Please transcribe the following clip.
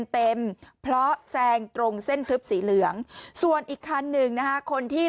เต็มเพราะแซงตรงเส้นทึบสีเหลืองส่วนอีกคันหนึ่งนะฮะคนที่